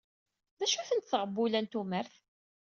D acu-tent teɣbula n tumert?